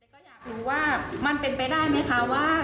ก็อยากรู้ว่ามันเป็นไปได้ไหมคะว่า